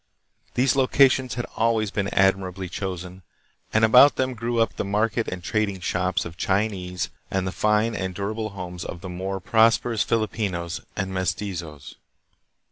These locations had always been admirably chosen, and about them grew up the market and trading shops of Chinese and the fine and durable homes of the more prosperous Filipinos and mes tizos.